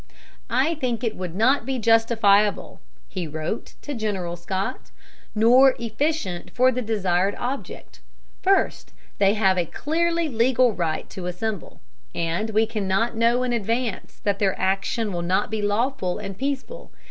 "I think it would not be justifiable," he wrote to General Scott, "nor efficient for the desired object. First, they have a clearly legal right to assemble; and we cannot know in advance that their action will not be lawful and peaceful.